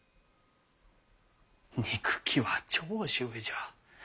憎きは長州じゃ。